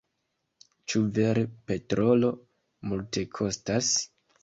Ĉu vere petrolo multekostas?